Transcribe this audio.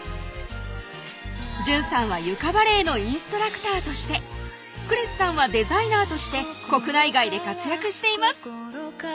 純さんは床バレエのインストラクターとしてクリスさんはデザイナーとして国内外で活躍しています